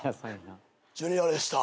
ジュニアでした。